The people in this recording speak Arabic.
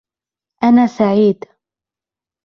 انا سعيد.